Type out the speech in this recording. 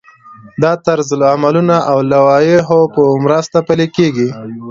دا د طرزالعملونو او لوایحو په مرسته پلی کیږي.